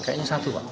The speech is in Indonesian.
kayaknya satu pak